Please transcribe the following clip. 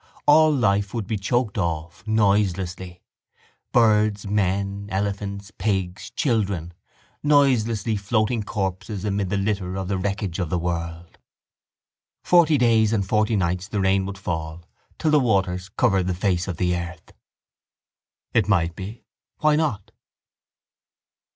All life would be choked off, noiselessly: birds, men, elephants, pigs, children: noiselessly floating corpses amid the litter of the wreckage of the world. Forty days and forty nights the rain would fall till the waters covered the face of the earth. It might be. Why not?